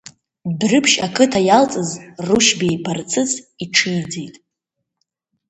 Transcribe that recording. Дәрыԥшь ақыҭа иалҵыз рушьбеи Барцыц иҽиӡеит.